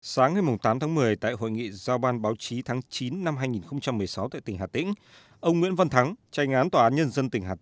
sáng ngày tám tháng một mươi tại hội nghị giao ban báo chí tháng chín năm hai nghìn một mươi sáu tại tỉnh hà tĩnh ông nguyễn văn thắng